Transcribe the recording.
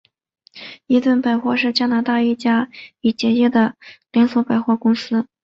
伊顿百货是加拿大一家已结业的连锁百货公司。